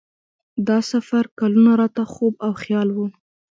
دا سفر کلونه راته خوب او خیال و.